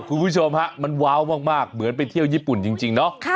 คุณผู้ชมฮะมันว้าวมากเหมือนไปเที่ยวญี่ปุ่นจริงเนาะ